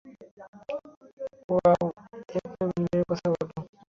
Wow, একটা মিলের কথা বলো।